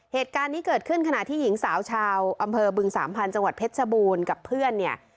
เหตุการณ์นี้เกิดขึ้นขณะที่หญิงสาวชาวอำเภอบึงสามพันธ์จังหวัดเพชรชบูรณ์กับเพื่อนเนี่ย